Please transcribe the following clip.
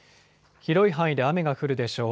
広い範囲で雨が降るでしょう。